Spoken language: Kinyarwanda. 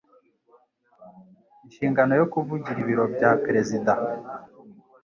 inshingano yo kuvugira ibiro bya Perezida